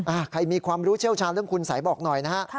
ใครมีความรู้เชี่ยวชาญเรื่องคุณสัยบอกหน่อยนะฮะ